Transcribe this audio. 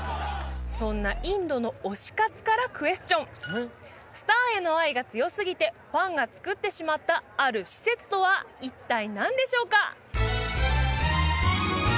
そんなインドの推し活からクエスチョンスターへの愛が強すぎてファンがつくってしまったある施設とは一体何でしょうか？